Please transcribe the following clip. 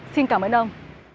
xin cảm ơn ông